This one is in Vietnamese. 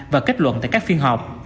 và kết luận tại các phiên họp